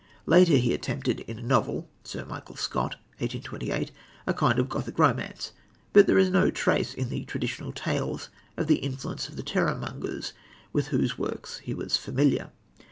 Later he attempted, in a novel, Sir Michael Scott (1828), a kind of Gothic romance; but there is no trace in the Traditional Tales of the influence of the terrormongers with whose works he was familiar.